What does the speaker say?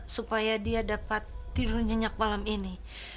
supaya dia dapat tidur nyenyak malam ini